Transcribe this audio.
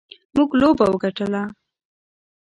موږ لوبه وګټله.